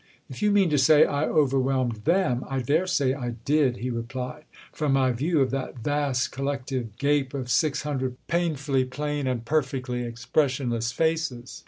"If you mean to say I overwhelmed them, I dare say I did," he replied—"from my view of that vast collective gape of six hundred painfully plain and perfectly expressionless faces.